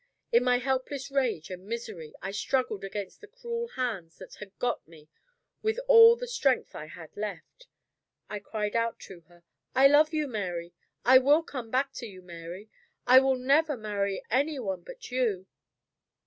In my helpless rage and misery, I struggled against the cruel hands that had got me with all the strength I had left. I cried out to her, "I love you, Mary! I will come back to you, Mary! I will never marry any one but you!"